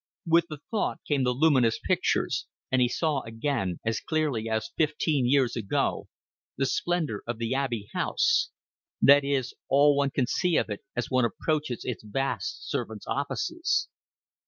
With the thought came the luminous pictures, and he saw again, as clearly as fifteen years ago, the splendor of the Abbey House that is, all one can see of it as one approaches its vast servants' offices.